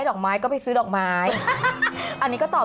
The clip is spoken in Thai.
๕๑เลยเธอ